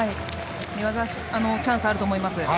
寝技チャンスあると思います。